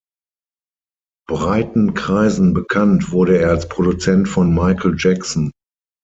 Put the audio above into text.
Breiten Kreisen bekannt wurde er als Produzent von Michael Jackson.